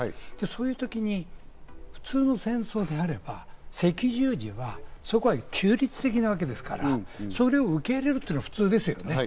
そういう時に普通の戦争であれば、赤十字はそこは中立的なわけですから、それを受け入れるのが普通ですね。